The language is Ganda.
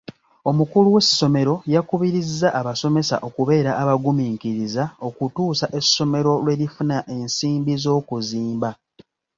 Omukulu w'essomero yakubirizza abasomesa okubeera abaguminkiriza okutuusa essomero lwe lifuna ensimbi z'okuzimba.